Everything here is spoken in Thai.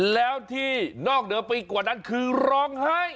แล้วที่นอกเหนือไปกว่านั้นคือร้องไห้